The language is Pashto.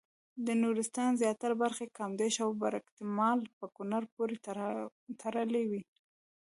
د نورستان زیاتره برخې کامدېش او برګمټال په کونړ پورې تړلې وې.